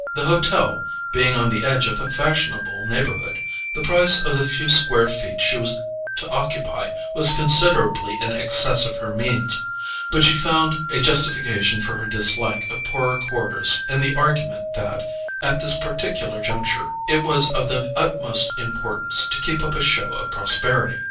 The hotel being on the edge of a fashionable neighbourhood, the price of the few square feet she was to occupy was considerably in excess of her means; but she found a justification for her dislike of poorer quarters in the argument that, at this particular juncture, it was of the utmost importance to keep up a show of prosperity.